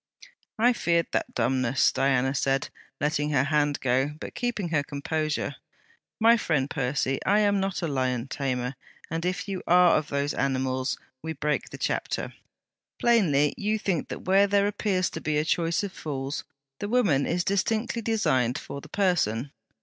'I feared that dumbness!' Diana said, letting her hand go, but keeping her composure. 'My friend Percy, I am not a lion tamer, and if you are of those animals, we break the chapter. Plainly you think that where there appears to be a choice of fools, the woman is distinctly designed for the person.